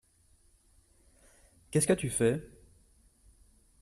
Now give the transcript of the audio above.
Qu’est-ce que tu fais ?